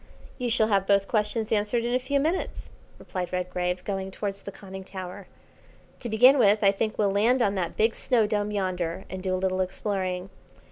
"You shall have both questions answered in a few minutes," replied Redgrave, going towards the conning tower. "To begin with, I think we'll land on that big snow dome yonder, and do a little exploring.